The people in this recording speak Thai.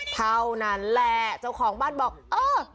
เท่านั้นแหละเจ้าของบ้านบอกเออ